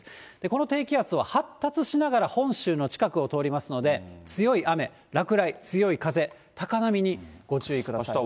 この低気圧は発達しながら本州の近くを通りますので、強い雨、落雷、強い風、高波にご注意ください。